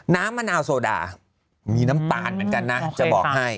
มะนาวโซดามีน้ำตาลเหมือนกันนะจะบอกให้